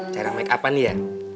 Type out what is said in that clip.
jarang makeup an ya